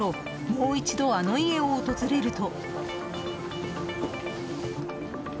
もう一度あの家を訪れると。